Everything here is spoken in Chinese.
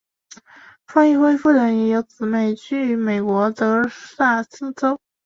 方奕辉夫人也有姊妹居于美国德萨斯州。